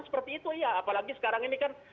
seperti itu iya apalagi sekarang ini kan